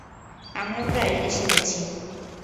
আমরা প্রায় এসে গেছি।